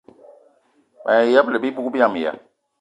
Mayi ṅyëbëla bibug biama ya